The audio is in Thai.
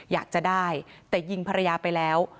อยากจะได้แต่ยิงภรรยาไปแล้ว